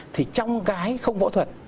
thì trong cái không phẫu thuật